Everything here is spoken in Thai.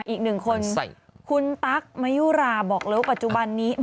อีกหนึ่งคนคุณตั๊กมายุราบอกเลยว่าปัจจุบันนี้